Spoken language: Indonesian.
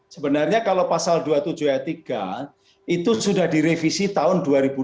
sebenarnya kalau pasal dua puluh tujuh ayat tiga itu sudah direvisi tahun dua ribu dua puluh